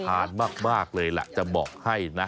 ทานมากเลยล่ะจะบอกให้นะ